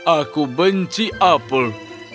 aku benci apel